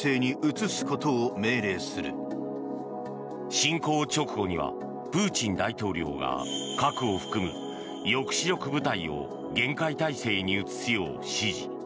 侵攻直後にはプーチン大統領が核を含む抑止力部隊を厳戒態勢に移すよう指示。